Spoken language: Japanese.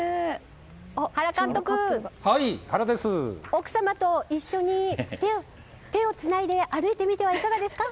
原監督、奥様と一緒に手をつないで歩いてみてはいかがですか？